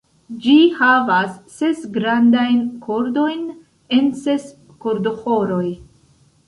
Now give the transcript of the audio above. Ĝi havas ses grandajn kordojn en ses kordoĥoroj.